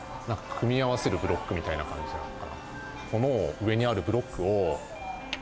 組み合わせるブロックみたいな感じなのかな？